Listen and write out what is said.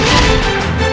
kembali ke pedangmu